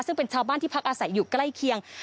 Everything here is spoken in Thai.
ซึ่งเป็นชาวบ้านที่พักอาศัยอยู่ใกล้เคียง